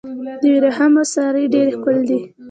د ورېښمو سارۍ ډیرې ښکلې دي.